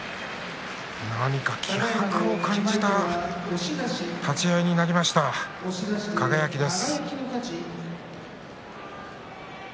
気迫を感じた立ち合いになりました輝です。